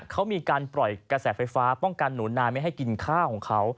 เขามีการปล่อยกระแสไฟฟ้าป้องกันหนูนานไม่ให้กินข้าวของเขา